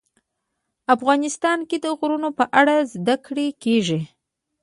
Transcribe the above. افغانستان کې د غرونه په اړه زده کړه کېږي.